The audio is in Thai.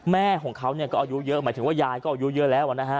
แม่ของเขาก็อายุเยอะหมายถึงว่ายายก็อายุเยอะแล้วนะฮะ